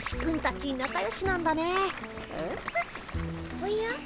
おや？